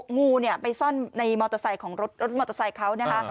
งูไปซ่อนในมอเตอร์ไซค์ของรถมอเตอร์ไซค์เขานะคะ